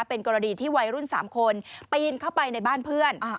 เป็นกรณีที่วัยรุ่น๓คนปีนเข้าไปในบ้านเพื่อน